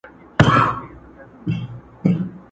خدای درکړي دي غښتلي وزرونه٫